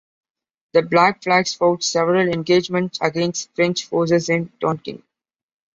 The Black Flags fought several engagements against French forces in Tonkin.